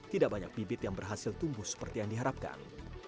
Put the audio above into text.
tidak banyak bibit yang berhasil tumbuh seperti yang diharapkan